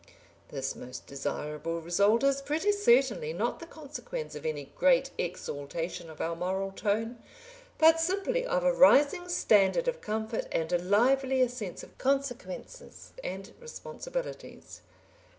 This most desirable result is pretty certainly not the consequence of any great exaltation of our moral tone, but simply of a rising standard of comfort and a livelier sense of consequences and responsibilities.